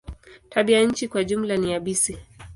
Tabianchi kwa jumla ni yabisi.